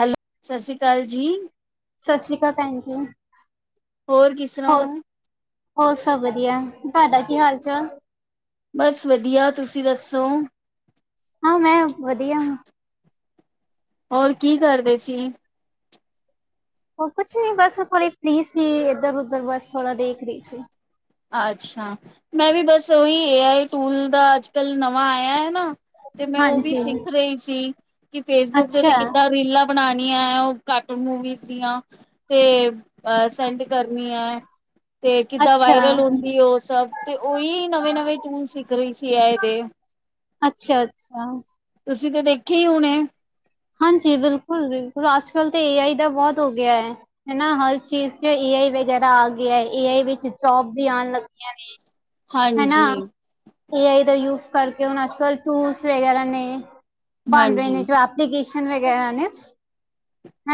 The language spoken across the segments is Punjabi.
ਹੈਲੋ ਸਸੀ ਅਕਾਲ ਜੀ। ਸਤਿ ਸ਼੍ਰੀ ਅਕਾਲ ਭੈਣਜੀ। ਹੋਰ ਕਿਸ ਰਾਂ ਹੋ? ਹੋਰ ਸਭ ਵਧੀਆ, ਤੁਹਾਡਾ ਕੀ ਹਾਲ- ਚਾਲ? ਬਸ ਵਧੀਆ, ਤੁਸੀਂ ਦੱਸੋ? ਹਾਂ ਮੈਂ ਵਧੀਆ ਹਾਂ। ਹੋਰ ਕੀ ਕਰਦੇ ਸੀ? ਉਹ ਕੁੱਛ ਵੀ ਬਸ ਥੋੜੀ ਫੀ੍ ਸੀ ਇੱਧਰ- ਉੱਧਰ ਬਸ ਥੋੜਾ ਦੇਖ ਰਹੀ ਸੀ। ਅੱਛਾ ਮੈਂ ਵੀ ਬਸ ਉਹੀ ਏ ਟੂਲ ਦਾ ਅੱਜ ਕੱਲ ਨਵਾਂ ਆਇਆ ਹੈ ਨਾ। ਤੇ ਮੈਂ ਉਹ ਵੀ ਹਾਂਜੀ ਸਿੱਖ ਰਹੀ ਸੀ, ਕਿ ਫੇਸਬੁੱਕ ਦੇ ਉੱਤੇ ਅੱਛਾ ਕਿੱਦਾਂ ਰੀਲਾਂ ਬਣਾਨੀਆਂ ਉਹ ਕਾਰਟੂਨ ਮੂਵੀਸ ਦੀਆਂ। ਤੇ ਅ ਸੈਂਡ ਕਰਨੀਆ ਹੈ, ਤੇ ਕਿੱਦਾਂ ਅੱਛਾ ਵਾਇਰਲ ਤੇ ਉਹ ਸਭ ਤੇ ਉਹੀ ਨਵੇਂ- ਨਵੇਂ ਟੂਲ ਸਿੱਖ ਰਹੀ ਸੀ ਐ ਇਹਦੇ। ਅੱਛਾ- ਅੱਛਾ। ਤੁਸੀਂ ਤੇ ਦੇਖੇ ਹੀ ਹੁਣੇ। ਹਾਂਜੀ ਬਿਲਕੁੱਲ- ਬਿਲਕੁੱਲ ਅੱਜ ਕਲ ਤਾਂ ਏ ਆਈ ਦਾ ਬਹੁਤ ਹੋ ਗਿਆ ਹੈ। ਹਨਾ ਹਰ ਚੀਜ਼ ਚ ਏ ਆਈ ਵਗੈਰਾ ਆ ਗਿਆ ਐ, ਏ ਆਈ ਵਿੱਚ ਜੋਬ ਵੀ ਆਉਣ ਲੱਗੀਆਂ ਨੇ। ਹਨਾ ਹਾਂਜੀ ਏ ਆਈ ਦਾ ਯੂਜ ਕਰਕੇ ਹੁਣ ਅੱਜ ਕੱਲ ਟੂਲਸ ਵਗੈਰਾ ਨੇ ਬਣ ਰਹੇ ਨੇ ਹਾਂਜੀ ਜੋ ਐਪਲੀਕੇਸ਼ਨ ਵਗੈਰਾ ਨੇ,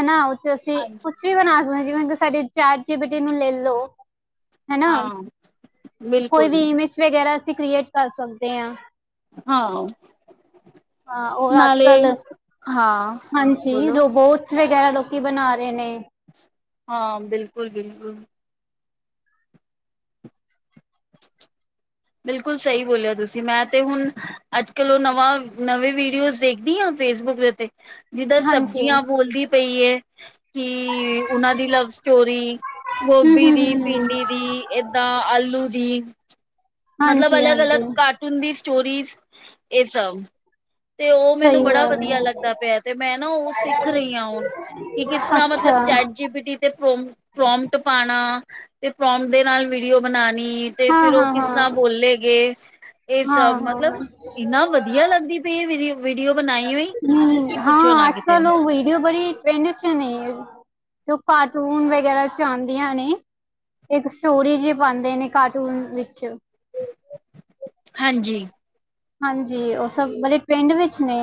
ਹਨਾ ਉਹ ਚ ਅਸੀਂ ਕੁੱਛ- ਹਾਂਜੀ ਕੁੱਝ ਵੀ ਬਣਾ ਸਕਦੇ ਜਿਵੇਂ ਤੁ ਸਾਡੇ ਚੇਟ ਜ਼ੀ ਬੀ ਟੀ ਨੂੰ ਲੈ ਲੋ। ਹਾਂ। ਕੋਈ ਬਿਲਕੁਲ ਵੀ ਇਮੇਜ ਵਗੈਰਾ ਅਸੀਂ ਕ੍ਰੀਏਟ ਕਰ ਸਕਦੇ ਹਾਂ। ਹਾਂ ਹਾਂ ਔਰ ਅੱਜ ਨਾਲੇ, ਕੱਲ ਹਾਂ। ਹਾਂਜੀ ਬੋਲੋ ਰੋਬੋਟਸ ਵਗੈਰਾ ਲੋਕੀ ਬਣਾ ਰਹੇ ਨੇ। ਹਾਂ ਬਿਲਕੁੱਲ- ਬਿਲਕੁੱਲ। ਬਿਲਕੁੱਲ ਸਹੀ ਬੋਲਿਓ ਤੁਸੀਂ, ਮੈਂ ਤੇ ਹੁਣ ਅੱਜ ਕੱਲ ਉਹ ਨਵਾਂ, ਨਵੀਂ ਵੀਡੀਓਜ਼ ਦੇਖਦੀ ਆ ਫੇਸਬੁੱਕ ਦੇ ਉੱਤੇ। ਜਿੱਦਾਂ ਹਾਂਜੀ ਹੂੰ ਸਬਜ਼ੀਆਂ ਬੋਲਦੀ ਪਈ ਏ, ਕੀ ਉਹਨਾਂ ਦੀ ਲਵ ਸਟੋਰੀ ਗੋਭੀ ਹੂੰ ਦੀ, ਹੂੰ ਹੂੰ ਭਿੰਡੀ ਦੀ, ਏਦਾਂ ਆਲੂ ਦੀ, ਮਤਲਬ ਹਾਂਜੀ ਅਲਗ- ਅਲੱਗ ਹਾਂਜੀ ਕਾਰਟੂਨ ਦੀ ਸਟੋਰੀਜ਼ ਇਹ ਸਬ। ਤੇ ਉਹ ਮੈਨੂੰ ਸਹੀ ਬੜਾ ਗੱਲ ਵਧੀਆ ਹੈ ਲੱਗਦਾ ਪਿਆ, ਤੇ ਮੈਂ ਨਾ ਉਹ ਸਿੱਖ ਰਹੀ ਹਾਂ ਹੁਣ। ਕਿ ਕਿਸ ਤਰਾਂ ਮਤਲਬ ਅੱਛਾ ਚੈਟ ਜੀ ਪੀਟੀ। ਤੇ ਪ੍ਰੋਮਟ ਪਾਉਣਾ ਤੇ ਪੋ੍ਮਟ ਦੇ ਨਾਲ ਵੀਡੀਓ ਬਣਾਣੀ, ਤੇ ਹਾਂ ਫੇਰ ਉਹ ਹਾਂ ਕਿਸ ਹਾਂ ਤਰਾਂ ਬੋਲੇ ਗਏ ਇਹ ਹਾਂ ਸਭ ਹਾਂ ਮਤਲਬ ਇੰਨਾ ਵਧੀਆ ਲੱਗਦੀ ਪਈ ਇਹ ਵੀਡੀਓ। ਵੀਡੀਓ ਬਣਾ- ਹੂੰ ਹਾਂ ਅੱਜ ਕੱਲ ਉਹ ਵਡੀਓ ਬੜੀ ਟ੍ਰੇਡ ਚੱ ਨੇ। ਜੋ ਕਾਰਟੂਨ ਵਗੈਰਾ ਚ ਆਉਂਦੀਆਂ ਨੇ। ਇੱਕ ਸਟੋਰੀ ਜੀ ਪਾਉਂਦੇ ਨੇ, ਕਾਰਟੂਨ ਵਿੱਚ। ਹਾਂਜੀ। ਹਾਂਜੀ ਉਹ ਸਭ ਬੜੇ ਟਰਿੰਡ ਵਿੱਚ ਨੇ,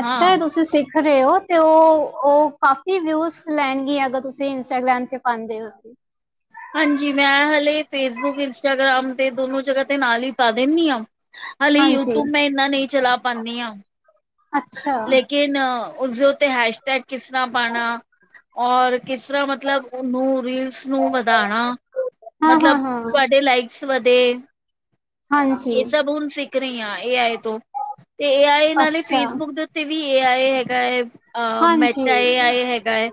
ਅੱਛਾ ਹੈ ਹਾਂ। ਤੁਸੀਂ ਸ- ਸਿੱਖ ਰਹੇ ਹੋ, ਤੇ ਉਹ- ਉਹ ਕਾਫੀ ਵਿਊਸ ਲੈਣਗੀਆਂ ਅਗਰ ਤੁਸੀਂ ਇੰਸਟਾਗ੍ਰਾਮ ਤੇ ਪਾਉਂਦੇ ਹੋ। ਹਾਂਜੀ, ਮੈਂ ਹਾਲੇ ਫੇਸਬੁੱਕ ਇੰਸਟਾਗ੍ਰਾਮ ਦੇ ਦੋਨੋ ਜਗ੍ਹਾ ਤੇ ਨਾਲ ਹੀ ਪਾ ਦਿੰਦੀ ਹਾਂ। ਹਾਲੇ, ਹਾਂਜੀ ਯੂਟਿਊਬ ਮੈਂ ਇੰਨਾ ਨਹੀਂ ਚਲਾ ਪਾਉਂਦੀ ਹਾਂ। ਅੱਛਾ ਕਿਨੇ ਉਸਦੇ ਉੱਤੇ ਹੈਸ਼ਟੈਗ ਕਿਸ ਤਰ੍ਹਾਂ ਪਾਣਾ ਔਰ ਕਿਸ ਤਰ੍ਹਾਂ ਮਤਲਬ ਮਤਲਬ, ਉਹਨੂੰ ਰੀਲਸ ਨੂੰ ਵਧਾਉਣਾ ਹਾਂ ਹਾਂ ਮਤਲਬ, ਹਾਂ ਤੁਹਾਡੇ ਲਾਈਕਸ ਵਧੇ ਹਾਂਜੀ ਇਹ ਸਭ ਹੁਣ ਸਿ ਰਹੀ ਹਾਂ, ਏ ਆਈ ਤੋਂ ਤੇ ਏ ਆਈ ਨਾਲੇ ਅੱਛਾ ਫੇਸਬੁੱਕ ਦੇ ਉੱਤੇ ਵੀ ਏ ਆਈ ਹੈਗਾ ਹੈ। ਅ ਮੈ ਹਾਂਜੀ ਕਿਆ ਏ ਆਏ ਹੈਗਾ ਏ।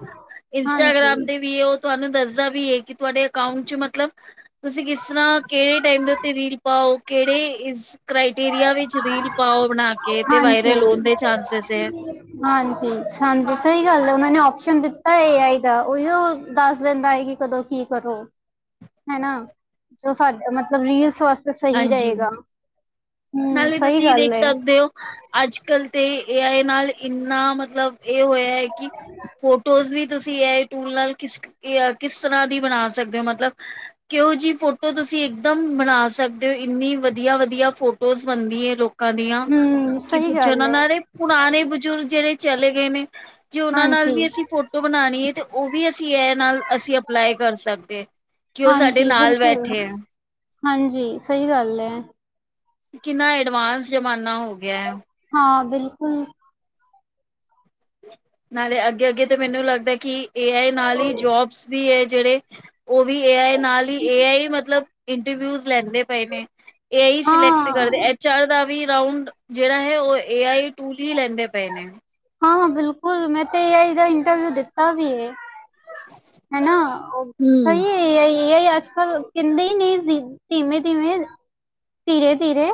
ਇੰਸਟਾਗ੍ਰਾਮ ਹਾਂਜੀ ਤੇ ਵੀ ਉਹ ਤੁਹਾਨੂੰ ਦੱਸਦਾ ਵੀ ਏ, ਕਿ ਤੁਹਾਡੇ ਅਕਾਊਂਟ ਚ ਮਤਲਬ ਤੁਸੀਂ ਕਿਸ ਤਰ੍ਹਾਂ ਕਿਹੜੇ ਟੈਮ ਦੇ ਉੱਤੇ ਰੀਲ ਪਾਓ, ਕਿਹੜੇ ਇਸ ਕ੍ਰਾਈਟਿਰੀਆ ਵਿੱਚ ਰੀਲ ਪਾਓ ਬਣਾ ਕੇ ਤੇ ਵਾ ਹਮ ਹਾਂਜੀ-ਹਾਂਜੀ ਸਹੀ ਗੱਲ ਹੈ। ਉਹਨਾਂ ਨੇ ਆਪਸ਼ਨ ਦਿੱਤਾ ਏ ਏ ਆਈ ਦਾ ਉਹੀਓ ਦੱਸ ਦਿੰਦਾ ਹੈ। ਕਿ ਕਦੋਂ? ਕੀ ਕਰੋ ਹੈਨਾ, ਜੋ ਸਾਡੇ ਮਤਲਬ ਰੀਲਸ ਵਸਤੇ ਸਹੀ ਹਾਂਜੀ ਰਹੇਗਾ। ਹੂੰ, ਨਾਲੇ ਸਹੀ ਤੁਸੀਂ ਗੱਲ ਦੇਖ ਏ। ਸਕਦੇ ਹੋ। ਅੱਜ ਕੱਲ ਤੇ ਏ ਆਏ ਨਾਲ ਇੰਨਾ ਮਤਲਬ ਇਹ ਹੋਇਆ ਏ। ਕੀ ਫੋਟੋਜ਼ ਵੀ ਤੁਸੀਂ ਏ ਆਈ ਟੂਲ ਨਾਲ ਕਿਸ [unintelligible] ਕਿਸ ਤਰ੍ਹਾਂ ਦੀ ਬਣਾ ਸਕਦੇ ਹੋ। ਮਤਲਬ ਕਿਹੋ ਜਿਹੀ ਫੋਟੋ ਤੁਸੀਂ ਇੱਕਦਮ ਬਣਾ ਸਕਦੇ ਹੋ। ਇੰਨੀ ਵਧੀਆ ਵਧੀਆ ਫੋਟੋ ਰੋਜ਼ ਬਣਦੀ ਏ, ਲੋਕਾਂ ਦੀਆਂ ਹੂੰ, ਕੀ ਸਹੀ ਪੁੱਛੋ ਗੱਲ ਏ। ਉਹਨਾਂ [unintelligible] ਪੁਰਾਣੇ ਬਜ਼ੁਰਗ ਜਿਹੜੇ ਚਲੇ ਗਏ ਨੇ, ਜੇ ਉਹਨਾਂ ਨਾਲ ਹਾਂਜੀ, ਵੀ ਅਸੀਂ ਫੋ ਟੋ ਬਣਾਉਣੀ ਹੈ। ਤੇ ਉਹ ਵੀ ਅਸੀਂ ਏ ਆਈ ਨਾਲ ਅਸੀਂ ਅਪਲਾਈ ਕਰ ਸਕਦੇ। ਕਿ ਉਹ ਸਾਡੇ ਹਾਂਜੀ ਨਾਲ ਬਿਲਕੁਲ। ਬੈਠੇ ਐ ਹਾਂਜੀ, ਸਹੀ ਗੱਲ ਕਿੰਨਾ ਐਡਵਾਂਸ ਜ਼ਮਾਨਾ ਹੋ ਗਿਆ ਹੈ। ਹਾਂ, ਬਿਲਕੁਲ। ਨਾਲੇ ਅੱਗੇ-ਅੱਗੇ ਤੇ ਮੈਨੂੰ ਲੱਗਦਾ ਏ ਕਿ ਏ ਆਈ ਨਾਲ ਹੀ ਜੋਬਸ ਵੀ ਹੈ। ਜਿਹੜੇ ਉਹ ਵੀ ਏ ਆਈ ਨਾਲ ਹੀ ਏ ਆਈ ਮਤਲਬ ਇੰਟਰਵਿਊਜ ਲੈਂਦੇ ਪਏ ਨੇ। ਇਹੀ ਸਿਲੈਕਟ ਕਰਦੇ, ਹਾਂ, ਐਚ ਆਰ ਦਾ ਵੀ ਰਾਂਉਡ ਜਿਹੜਾ ਹੈ। ਉਹ ਏ ਆਈ ਟੂਲ ਹੀ ਲੈਂਦੇ ਪਏ ਨੇ। ਹਾਂ, ਬਿਲਕੁਲ ਮੈਂ ਤੇ ਏ ਆਈ ਦਾ ਇੰਟਰਵਿਊ ਦਿੱਤਾ ਵੀ ਏ। ਹਨਾ ਸਹੀ ਹੂੰ ਏ ਏ ਆਈ ਏ ਆਈ ਅੱਜ ਕੱਲ ਕਹਿੰਦੇ ਹੀ ਨਹੀਂ [unintelligible] ਧੀਮੇ-ਧੀਮੇ ਧੀਰੇ-ਧੀਰੇ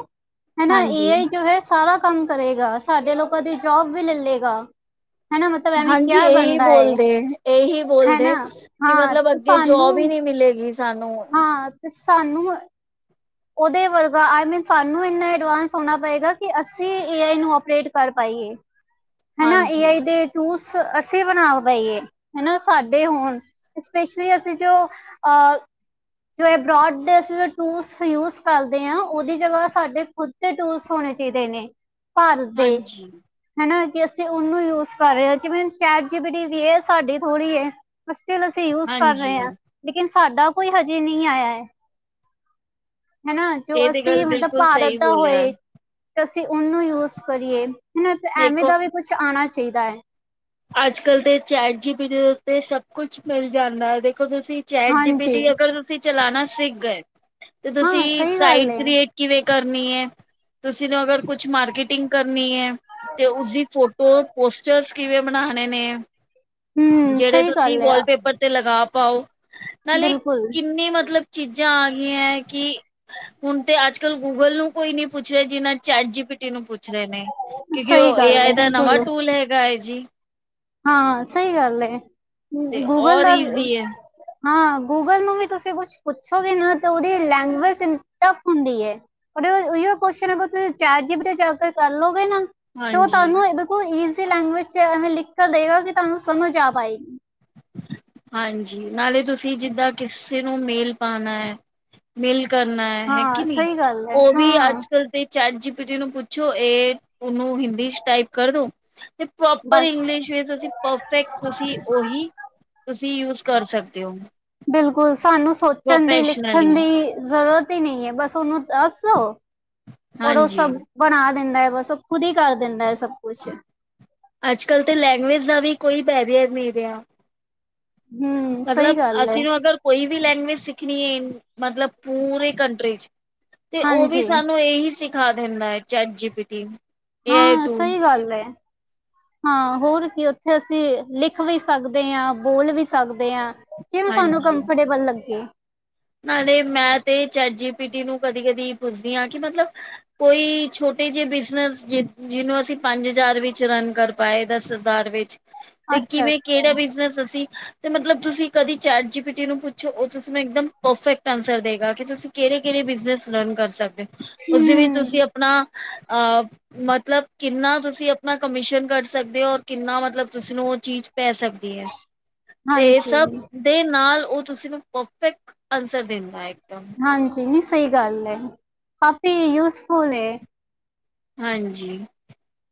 ਹਨਾ ਏ ਆਈ ਹਾਂਜੀ-ਹਾਂਜੀ ਜੋ ਹੈ। ਸਾਰਾ ਕੰਮ ਕਰੇਗਾ, ਸਾਡੇ ਲੋਕਾਂ ਦੀ ਜੋਬ ਵੀ ਲੈਲੇਗਾ। ਹਾਂਜੀ, ਇਹੀ ਏ, ਬੋਲਦੇ ਇਹੀ ਬੋਲਦੇ ਹੈਨਾ। ਕਿ ਹਾਂ, ਮਤਲਬ ਅੱਗੇ ਜੋਬ ਸਾਨੂੰ ਹੀ ਨਹੀਂ ਮਿਲੇਗੀ। ਸਾਨੂੰ ਹਾਂ ਤੇ ਸਾਨੂੰ ਉਹਦੇ ਵਰਗਾ ਆਈ ਮੀਨ ਸਾਨੂੰ ਇੰਨੇ ਐਡਵਾਂਸ ਹੋਣਾ ਪਏਗਾ। ਕਿ ਅਸੀਂ ਏ ਆਈ ਨੂੰ ਆਪਰੇਟ ਕਰ ਪਾਈਏ। [inaudible] ਹਨਾ, ਏ ਆਈ ਦੇ ਟੂਲਸ ਅਸੀਂ ਬਣਾ ਪਈਏ ਹਨਾ ਸਾਡੇ ਹੋਣ। ਅਸਪੇਸ਼ਲੀ ਅਸੀਂ ਜੋ ਅ ਜੋ ਅਬ੍ਰੋਡ ਬੇਸਿਸ ਦੇ ਟੂਲਸ ਯੂਜ ਕਰਦੇ ਹਾਂ। ਉਹਦੀ ਜਗ੍ਹਾ ਸਾਡੇ ਖੁਦ ਤੇ ਟੂਲਸ ਹੋਣੇ ਚਾਹੀਦੇ ਨੇ। ਭਾਰਤ ਦੇ ਹਾਂਜੀ-ਹਾਂਜੀ ਹਨਾ, ਕਿ ਅਸੀਂ ਉਹਨੂੰ ਯੂਜ ਕਰ ਰਹੇ ਹਾ। ਜਿਵੇਂ ਚੈਟ ਜੀਬੀ ਟੀ ਏ ਸਾਡੀ ਥੋੜ੍ਹੀ ਏ। [unintelligible] ਅਸੀਂ ਯੂਜ ਕਰ ਰਹੇ ਹਾਂ। ਲੇਕਿਨ ਸਾਡਾ ਕੋਈ ਹਜੇ ਨਹੀਂ ਆਇਆ ਹੈ। ਹੈ ਨਾ ਜੋ ਇਹ ਤੇ ਅਸੀਂ ਗੱਲ ਮਤਲਬ ਬਿਲਕੁਲ ਭਾਰਤ ਸਹੀ ਦਾ ਬੋਲਿਆ ਹੋਏ। ਤੇ ਅਸੀਂ ਉਹਨੂੰ ਯੂਜ ਕਰੀਏ ਹੁਨ ਇਕ ਐਵੇਂ ਦੇਖੋ ਦਾ ਵੀ ਕੁੱਛ ਆਣਾ ਚਾਹੀਦਾ ਹੈ। ਅੱਜ ਕੱਲ ਤੇ ਚੈਟ ਜੀ ਬੀ ਦੇ ਉੱਤੇ ਸਭ ਕੁੱਛ ਮਿਲ ਜਾਂਦਾ ਹੈ। ਦੇਖੋ ਤੁਸੀਂ ਚੈਟ ਜੀ ਬੀ ਹਾਂਜੀ ਟੀ ਅਗਰ ਤੁਸੀਂ ਚਲਾਣਾ ਸਿੱਖ ਗਏ ਤੇ ਤੁਸੀਂ ਹਾਂ ਸਹੀ ਗੱਲ ਸਾਈਟ ਏ ਕ੍ਰੀਏਟ ਕਿਵੇਂ ਕਰਨੀ ਹੈ ਤੁਸੀਂ ਨੂੰ ਅਗਰ ਕੁੱਛ ਮਾਰਕੀਟਿੰਗ ਕਰਨੀ ਹੈ। ਤੇ ਉਸਦੀ ਫੋਟੋ ਪੋਸਟਰਸ ਕਿਵੇਂ ਬਣਾਣੇ ਨੇ। ਹੂੰ ਜਿਹੜੇ ਸਹੀ ਤੁਸੀਂ ਗੱਲ ਏ ਵਾਲਪੇਪਰ ਤੇ ਲਗਾ ਪਾਓ। ਨਾਲੇ ਬਿਲਕੁਲ ਕਿੰਨੀ ਮਤਲਬ ਚੀਜ਼ਾਂ ਆ ਗਈਆਂ ਏ ਕੀ ਹੁਣ ਤੇ ਅੱਜ ਕੱਲ੍ਹ ਗੂਗਲ ਨੂੰ ਕੋਈ ਨੀ ਪੁੱਛ ਰਿਹਾ, ਜਿੰਨਾ ਚੈਟ ਜੀ ਪੀ ਟੀ ਨੂੰ ਪੁੱਛ ਰਹੇ ਨੇ। ਕਿਉਂਕਿ ਸਹੀ ਉਹ ਏ ਗੱਲ ਆਈ ਦਾ ਨਵਾਂ ਬਿਲਕੁਲ ਟੂਲ ਹੈਗਾ ਏ ਜੀ। ਹਾਂ ਸਹੀ ਗੱਲ ਏ, ਤੇ ਗੂਗਲ ਔਰ ਦਾ ਈਜ਼ੀ ਹੈ ਹਾਂ, ਗੂਗਲ ਨੂੰ ਵੀ ਤੁਸੀਂ ਕੁੱਛ ਪੁੱਛੋਗੇ ਨਾ ਤੇ ਉਹਦੀ ਲੈਂਗੁਜ ਟਫ ਹੁੰਦੀ ਏ। ਓਹੀ ਓ ਕੋਸ਼ਨ ਅਗਰ ਤੁਸੀਂ ਚੈਟ ਜੀ ਪੀ ਟੀ ਤੇ ਜਾ ਕੇ ਕਰ ਲਓਗੇ ਨਾ ਤੇ ਉਹ ਹਾਂਜੀ ਤੁਹਾਨੂੰ ਇਹ ਬਿਲਕੁਲ ਈਜ਼ੀ ਲੈਂਗੁਏਜ ਚ ਐਵੇਂ ਲਿਖ ਕੇ ਦੇਵੇਗਾ ਕਿ ਤੁਹਾਨੂੰ ਸਮਝ ਆ ਪਾਏਗੀ। ਹਾਂਜੀ, ਨਾਲੇ ਤੁਸੀਂ ਜਿੱਦਾਂ ਕਿਸੇ ਨੂੰ ਮੇਲ ਪਾਣਾ ਐ। ਮੇਲ ਕਰਨਾ ਐ ਹੈ ਕਿ ਹਾਂ ਨੀ ਸਹੀ ਗੱਲ ਹੈ ਉਹ ਵੀ ਹਾਂ ਅੱਜ ਕੱਲ ਤੇ ਚੈਟ ਜੀ ਪੀ ਟੀ ਨੂੰ ਪੁੱਛੋ ਏ ਉਹਨੂੰ ਹਿੰਦੀ ਚ ਟਾਈਪ ਕਰਦੋ ਤੇ ਪ੍ਰੋਪਰ ਬਸ ਇੰਗਲਿਸ਼ ਵਿੱਚ ਤੁਸੀਂ ਪਰਫੈਕਟ ਤੁਸੀਂ ਉਹੀ, ਤੁਸੀਂ ਯੂਜ ਕਰ ਸਕਦੇ ਹੋ। ਬਿਲਕੁਲ ਸਾਨੂੰ ਸੋਚਣ ਦੀ, ਲਿਖਣ ਪ੍ਰੋਫੈਸ਼ਨਲੀ ਦੀ ਜ਼ਰੂਰਤ ਹੀ ਨਹੀਂ ਏ, ਬਸ ਉਹਨੂੰ ਦਸ ਦਿਉ। ਔਰ ਉਹ ਹਾਂਜੀ ਸਭ ਬਣਾ ਦਿੰਦਾ ਏ, ਬਸ ਉਹ ਖ਼ੁਦ ਹੀ ਕਰ ਦਿੰਦਾ ਏ ਸਭ ਕੁਛ। ਅੱਜ ਕੱਲ੍ਹ ਤਾਂ ਲੈਂਗੁਏਜ ਦਾ ਵੀ ਕੋਈ ਬੈਰੀਅਰ ਨਹੀਂ ਰਿਹਾ। ਹਮ ਸਹੀ ਮਤਲਬ ਗੱਲ ਹੈ ਅਸੀਂ ਨੂੰ ਅਗਰ ਕੋਈ ਵੀ ਲੈਂਗੁਏਜ ਸਿੱਖਣੀ ਏ, ਮਤਲਬ ਪੂਰੇ ਕੰਟਰੀ ਚ ਤੇ ਉਹ ਵੀ ਹਾਂਜੀ ਸਾਨੂੰ ਇਹੀ ਸਿਖਾ ਦਿੰਦਾ ਏ, ਚੈਟ ਜੀ ਪੀ ਟੀ। ਏ ਆਈ ਹਾਂ ਟੂਲ ਸਹੀ ਗੱਲ ਏ। ਹਾਂ ਹੋਰ ਕੀ ਉੱਥੇ ਅਸੀਂ ਲਿਖ ਵੀ ਸਕਦੇ ਆ, ਬੋਲ ਵੀ ਸਕਦੇ ਆ। ਜਿਵੇਂ ਸਾਨੂੰ ਕੰਫਰਟੇਬਲ ਲੱਗੇ। ਨਾਲ਼ੇ ਮੈਂ ਤੇ ਚੈਟ ਜੀ ਪੀ ਟੀ ਨੂੰ ਕਦੀ ਕਦੀ ਪੁੱਛਦੀ ਹਾਂ ਕਿ ਮਤਲਬ ਕੋਈ ਛੋਟੇ ਜਿਹੇ ਬਿਜਨਸ ਜਿਹਨੂੰ ਅਸੀਂ ਪੰਜ ਹਜ਼ਾਰ ਵਿੱਚ ਰਨ ਕਰ ਪਾਏ ਦਸ ਹਜ਼ਾਰ ਵਿੱਚ ਤੇ ਅੱਛਾ ਕਿਵੇਂ ਅੱਛਾ ਕਿਹੜਾ ਬਿਜਨਸ ਅਸੀਂ ਤੇ ਮਤਲਬ ਤੁਸੀਂ ਕਦੀ ਚੈਟ ਜੀ ਪੀ ਟੀ ਨੂੰ ਪੁੱਛੋ, ਉਹ ਤੁਸੀਂ ਮੈਂ ਇੱਕਦਮ ਪਰਫੈਕਟ ਆਨਸਰ ਦੇਗਾ ਕਿ ਤੁਸੀਂ ਕਿਹੜੇ ਕਿਹੜੇ ਬਿਜਨਸ ਰਨ ਕਰ ਸਕਦੇ ਹੋ, ਉਸ ਦੇ ਵਿੱਚ ਹਮ ਤੁਸੀਂ ਆਪਣਾ ਅਹ ਮਤਲਬ ਕਿੰਨਾ ਤੁਸੀਂ ਆਪਣਾ ਕਮਿਸ਼ਨ ਕੱਢ ਸਕਦੇ ਹੋ, ਔਰ ਕਿੰਨਾ ਮਤਲਬ ਤੁਸੀ ਨੂੰ ਉਹ ਚੀਜ਼ ਪੈ ਸਕਦੀ ਐ। ਤੇ ਹਾਂਜੀ ਸਭ ਦੇ ਨਾਲ ਉਹ ਤੁਸੀਂ ਨੂੰ ਪਰਫੈਕਟ ਆਨਸਰ ਦਿੰਦਾ ਏ ਇੱਕਦਮ। ਹਾਂਜੀ ਨੀ ਸਹੀ ਗੱਲ ਏ, ਕਾਫੀ ਯੂਜਫੁਲ ਏ। ਹਾਂਜੀ,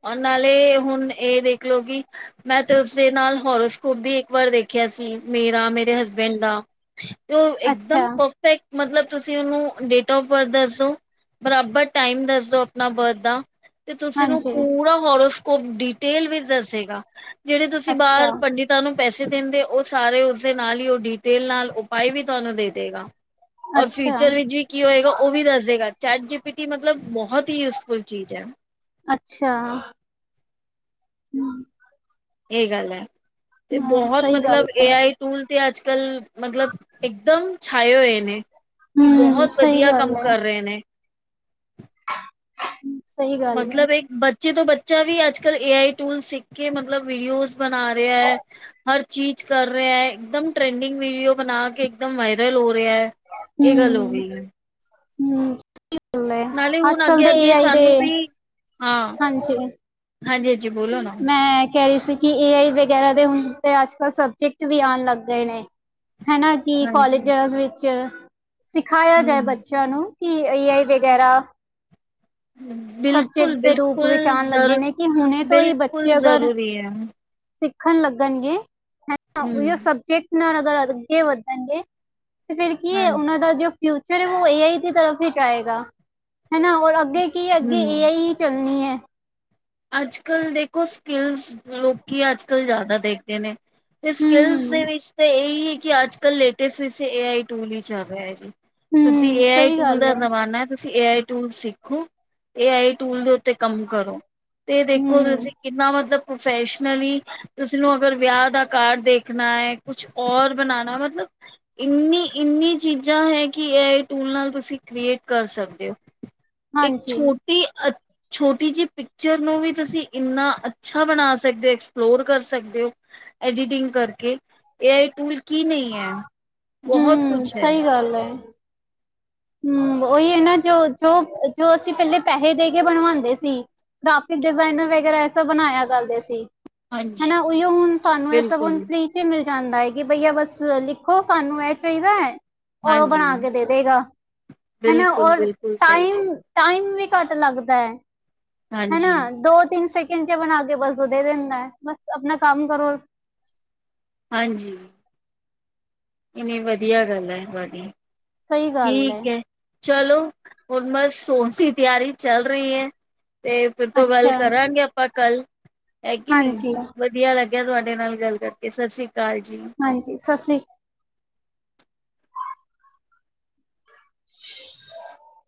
ਔਰ ਨਾਲੇ ਹੁਣ ਇਹ ਦੇਖ ਲਉ ਕਿ ਮੈਂ ਤੇ ਉਸਦੇ ਨਾਲ ਹੋਰੋਸਕੋਪ ਵੀ ਇੱਕ ਵਾਰ ਦੇਖਿਆ ਸੀ, ਮੇਰਾ ਮੇਰੇ ਹਸਬੈਂਡ ਦਾ। ਤੇ ਉਹ ਇੱਕਦਮ ਅੱਛਾ ਪਰਫੇਕਟ ਮਤਲਬ ਤੁਸੀਂ ਉਹਨੂੰ ਡੇਟ ਆਫ ਬਰਥ ਦੱਸੋ, ਬਰਾਬਰ ਟਾਈਮ ਦੱਸੋ ਆਪਣਾ ਬਰਥ ਤੇ ਤੁਸੀਂ ਨੂੰ ਹਾਂਜੀ, ਪੂਰਾ ਹੋਰੋਸਕੋਪ ਡਿਟੇਲ ਵਿੱਚ ਦੱਸੇਗਾ। ਜਿਹੜੇ ਤੁਸੀਂ ਅੱਛਾ, ਬਾਹਰ ਪੰਡਿ ਪੰਡਿਤਾਂ ਨੂੰ ਪੈਸੇ ਦਿੰਦੇ, ਉਹ ਸਾਰੇ ਉਸਦੇ ਨਾਲ ਹੀ ਉਹ ਡੀਟੇਲ ਨਾਲ ਉਪਾਏ ਵੀ ਤੁਹਾਨੂੰ ਦੇ ਦੇਗਾ। ਔਰ ਅੱਛਾ, ਫਿਊਚਰ ਵਿੱਚ ਵੀ ਕੀ ਹੋਏਗਾ ਉਹ ਵੀ ਦੱਸ ਦਏਗਾ ਚੈਟ ਜੀ ਪੀ ਟੀ ਮਤਲਬ ਬਹੁਤ ਹੀ ਯੂਜ ਫੁਲ ਚੀਜ਼ ਆ। ਅੱਛਾ। ਹੂ। ਸਹੀ ਗੱਲ ਐ, ਤੇ ਹਾਂ, ਬਹੁਤ ਸਹੀ ਗੱਲ ਮਤਲਬ ਏ ਆਈ ਟੂਲ ਤੇ ਅੱਜ ਕੱਲ੍ਹ ਮਤਲਬ ਇਕਦਮ ਛਾਏ ਹੋਏ ਨੇ। ਕਿ ਹੂੰ, ਬਹੁਤ ਸਹੀ ਵਧੀਆ ਗੱਲ ਕੰਮ ਐ, ਕਰ ਰਹੇ ਨੇ। ਸਹੀ ਗੱਲ ਐ। ਮਤਲਬ ਇੱਕ ਬੱ ਜਦੋਂ ਬੱਚਾ ਵੀ ਅੱਜ ਕੱਲ ਏ ਆਈ ਟੂਲ ਸਿੱਖ ਕੇ ਮਤਲਬ ਵੀਡੀਓਜ਼ ਬਣਾ ਰਿਹਾ ਆ। ਹਰ ਚੀਜ਼ ਕਰ ਰਿਹਾ ਐ, ਇਕ ਦਮ ਟ੍ਰੈਂਡਿੰਗ ਵੀਡੀਓ ਬਣਾ ਕੇ ਇੱਕਦਮ ਵਾਇਰਲ ਹੋ ਰਿਹਾ ਐ। ਹੂ ਹੂ। ਸਹੀ ਗੱਲ ਏ, ਨਾਲੇ ਅੱਜ ਹੁਣ ਕੱਲ ਦੇ ਅੱਗੇ ਏ ਅੱਗੇ ਆਈ ਦੇ ਸਾਨੂੰ ਵੀ ਹਾਂ ਹਾਂਜੀ। ਹਾਂਜੀ ਹਾਂਜੀ ਬੋਲੋ ਨਾ। ਮੈਂ ਕਹਿ ਰਹੀ ਸੀ ਕਿ ਏ ਆਈ ਵਗੈਰਾ ਦੇ ਹੁਣ ਤੇ ਅੱਜ ਕੱਲ੍ਹ ਸਬਜੈਕਟ ਵੀ ਆਣ ਲੱਗ ਗਏ ਨੇ। ਹੈਨਾ। ਕਿ ਕਾਲਜ ਹਾਂਜੀ ਵਿੱਚ ਸਿਖਾਇਆ ਜਾਏ ਹੂੰ ਬੱਚਿਆਂ ਨੂੰ ਕਿ ਏ ਆਈ ਵਗੈਰਾ। ਸਬਜੈਕਟ ਬਿਲਕੁਲ ਦੇ ਰੂਪ ਵਿੱਚ ਬਿਲਕੁਲ ਆਉਣ ਲੱਗੇ ਜ਼ਰ ਨੇ ਕਿ ਹੁਣੇ ਤੋਂ ਹੀ ਬਿਲਕੁਲ ਬੱਚੇ ਅਗਰ। ਜ਼ਰੂਰੀ ਹੈ। ਸਿੱਖਣ ਲੱਗਣਗੇ ਹੈਨਾ ਔਹੀ ਔ ਹੂੰ। ਸਬਜੈਕਟ ਨਾਲ ਅਗਰ ਅੱਗੇ ਵਧਣਗੇ। ਤੇ ਫਿਰ ਕੀ ਹੈ। ਉਹਨਾਂ ਹਾਂਜੀ ਦਾ ਜੋ ਫਿਊਚਰ ਹੈ ਉਹ ਏ ਆਈ ਦੀ ਤਰਫ ਹੀ 'ਚ ਜਾਏਗਾ ਹਨਾ। ਔਰ ਅੱਗੇ। ਕੀ ਅੱਗੇ ਏ ਹੂੰ ਆਈ ਹੀ ਚੱਲਣੀ ਹੈ। ਅੱਜ ਕੱਲ੍ਹ ਦੇਖੋ ਸਕਿੱਲਸ ਲੋਕੀਂ ਅੱਜ ਕੱਲ ਜ਼ਿਆਦਾ ਦੇਖਦੇ ਨੇ। ਫਿਰ ਸਕਿਲਸ ਦੇ ਹੂੰ ਵਿਚ ਇਹੀ ਹੈ ਕਿ ਅੱਜ ਕੱਲ੍ਹ ਲੇਟਸਟ ਏ ਆਈ ਟੂ ਹੀ ਚੱਲ ਰਿਹਾ ਜੀ। ਤੁਸੀਂ ਹੂੰ ਏ ਆਈ ਸਹੀ ਟੂਲ ਗੱਲ ਦਾ ਹੈ ਜ਼ਮਾਨਾ, ਤੁਸੀਂ ਏ ਆਈ। ਟੂਲ ਸਿੱਖੋ ਏ ਆਈ ਟੂਲ ਦੇ ਉੱਤੇ ਕੰਮ ਕਰੋ। ਤੇ ਦੇਖੋ ਹੂੰ ਤੁਸੀਂ ਕਿੰਨਾ ਮਤਲਬ ਪ੍ਰੋਫੈਸ਼ਨਲੀ। ਕਿਸੇ ਨੂੰ ਅਗਰ ਵਿਆਹ ਦਾ ਕਾਰਡ ਦੇਖਣਾ ਹੈ ਕੁਛ ਔਰ ਬਣਾਉਣਾ ਮਤਲਬ। ਇੰਨੀ ਇੰਨੀ ਚੀਜ਼ਾਂ ਹੈ ਕਿ ਏ ਆਈ ਟੂਲ ਨਾਲ ਤੁਸੀਂ ਕ੍ਰੀਏਟ ਕਰ ਸਕਦੇ ਹੋ। ਇੱਕ ਹਾਂਜੀ ਛੋਟੀ ਅ ਛੋਟੀ ਜਿਹੀ ਪੀ ਪਿਕਚਰ ਨੂੰ ਵੀ ਤੁਸੀਂ ਇੰਨਾ ਅੱਛਾ ਬਣਾ ਸਕਦੇ ਹੋ। ਐਕਸਪਲੋਰ ਕਰ ਸਕਦੇ ਹੋ। ਐਡੀਟਿੰਗ ਕਰਕੇ, ਏ ਆਈ ਟੂਲ ਕੀ ਨਹੀਂ ਹੈ ਬਹੁਤ ਕੁਛ ਹੈ। ਕੱਲ ਹੈ। ਹੂੰ ਉਹੀ ਹੈ ਨਾ ਜੋ ਜੋ ਜੋ ਅਸੀਂ ਪਹਿਲੇ ਪੈਸੇ ਦੇ ਕੇ ਬਣਵਾਉਂਦੇ ਸੀ। ਕਾਫੀ ਡਿਜ਼ਾਇਨਰ ਵਗੈਰਾ ਐਸਾ ਬਣਾਇਆ ਕਰਦੇ ਸੀ। ਹਾਂਜੀ। ਹੈਨਾ ਉਹੀਓ ਹੁਣ ਸਾਨੂੰ ਇਹ ਸਭ ਫ੍ਰੀ। ਬਿਲਕੁਲ ਫ੍ਰੀ ਵਿੱਚ ਮਿਲ ਜਾਂਦਾ ਹੈ ਕਿ ਬਈਆ ਬਸ ਲਿਖੋ ਸਾਨੂੰ ਇਹ ਚਾਹੀਦਾ ਹੈ। ਔਰ ਉਹ ਹਾਂਜੀ ਬਣਾ ਕੇ ਦੇ ਦੇਗਾ ਹੈਨਾ ਬਿਲਕੁਲ ਔਰ ਬਿਲਕੁਲ ਸਹੀ ਗੱਲ ਟਾਈਮ। ਟਾਈਮ ਵੀ ਘੱਟ ਲੱਗਦਾ ਹੈ ਹੈਨਾ ਹਾਂਜੀ ਦੋ ਤਿੰਨ ਸੈ ਸੈਕਿੰਡ 'ਚ ਬਣਾ ਕੇ ਬਸ ਉਹ ਦੇ ਦਿੰਦਾ ਹੈ। ਬਸ ਆਪਣਾ ਕੰਮ ਕਰੋ। ਹਾਂਜੀ। ਇਨੀਂ ਵਧੀਆ ਗੱਲ ਹੈ ਤੁਹਾਡੀ ਸਹੀ ਗੱਲ ਠੀਕ ਹੈ। ਚਲੋ ਹੁਣ ਬਸ ਸੌਣ ਦੀ ਤਿਆਰੀ ਚੱਲ ਰਹੀ ਹੈ‌। ਤੇ ਫਿਰ ਤੋਂ ਗੱਲ ਅੱਛਾ ਕਰਾਂਗੇ ਆਪਾਂ ਕੱਲ ਹੈ ਕੇ ਨਹੀ। ਹਾਂਜੀ ਵਧੀਆ ਲੱਗਿਆ ਤੁਹਾਡੇ ਨਾਲ ਗੱਲ ਕਰਕੇ ਸਤਿ ਸ੍ਰੀ ਅਕਾਲ ਜੀ। ਹਾਂਜੀ ਸਤਿ ਸ਼੍ਰੀ ਅਕਾਲ। ਹੂੰ। [unintelligible]